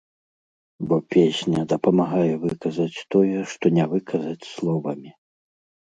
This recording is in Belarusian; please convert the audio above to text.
Бо песня дапамагае выказаць тое, што не выказаць словамі.